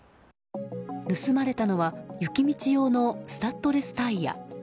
盗まれたのは雪道用のスタッドレスタイヤ。